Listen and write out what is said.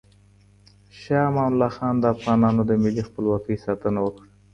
شاه امان الله خان د افغانانو د ملي خپلواکۍ ساتنه وکړه.